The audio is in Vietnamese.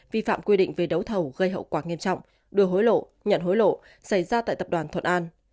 vi phạm quy định về đấu thầu gây hậu quả nghiêm trọng đưa hối lộ nhận hối lộ xảy ra tại tập đoàn thuận an